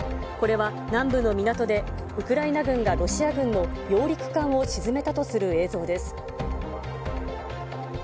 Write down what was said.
これは南部の港で、ウクライナ軍がロシア軍の揚陸艦を沈めたとする映像です。